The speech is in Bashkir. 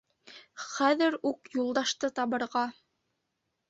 — Хәҙер үк Юлдашты табырға.